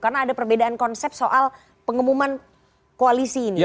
karena ada perbedaan konsep soal pengumuman koalisi ini